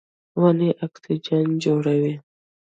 ونې اکسیجن جوړوي.